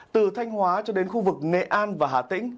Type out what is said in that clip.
từ thanh hóa cho đến khu vực nghệ an và hà tĩnh